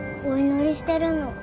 お祈りしてるの。